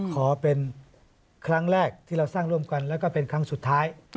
ขอเป็นครั้งแรกที่เราสร้างร่วมกันแล้วก็เป็นครั้งสุดท้าย